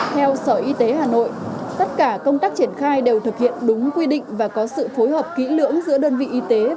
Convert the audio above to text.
theo sở y tế hà nội tất cả công tác triển khai đều thực hiện đúng quy định và có sự phối hợp kỹ lưỡng giữa đơn vị y tế